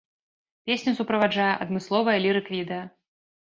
Песню суправаджае адмысловае лірык-відэа.